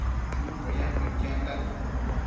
Chumbo yacno iquenda